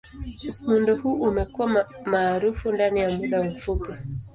Muundo huu umekuwa maarufu ndani ya muda mfupi.